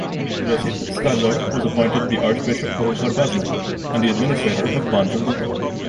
Josip Stadler was appointed the Archbishop of Vrhbosna and Administrator of Banja Luka.